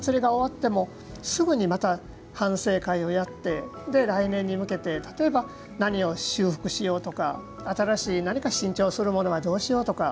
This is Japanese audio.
すぐにまた反省会をやって来年に向けて、例えば何を修復しようとか新しい何か新調するものはどうしようとか。